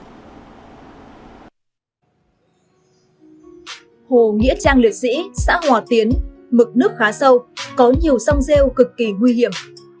hồ nghĩa trang liệt sĩ xã hòa tiến mực nước khá sâu có nhiều sông rêu cực kỳ nguy hiểm